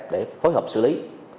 để phối hợp xử lý